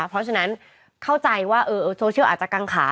เพราะฉะนั้นเข้าใจว่าโซเชียลอาจจะกังขา